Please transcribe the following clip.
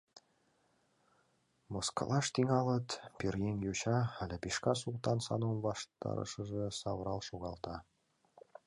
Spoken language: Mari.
Мыскылаш тӱҥалыт: пӧръеҥ йоча, а ляпишка, — Султан Санум ваштарешыже савырал шогалта.